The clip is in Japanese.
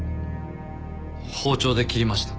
包丁で切りました。